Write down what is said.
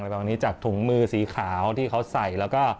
มาหลังนี้จากถุงมือสีขาวที่เขาใส่